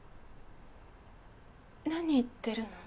何言ってるの？